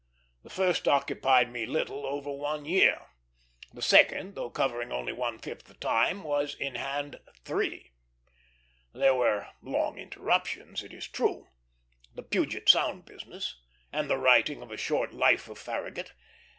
The first occupied me little over one year; the second, though covering only one fifth the time, was in hand three. There were long interruptions, it is true; the Puget Sound business, and the writing of a short Life of Farragut.